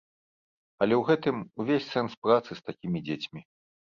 Але ў гэтым увесь сэнс працы з такімі дзецьмі.